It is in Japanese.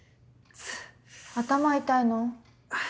頭痛いの？